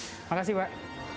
terima kasih pak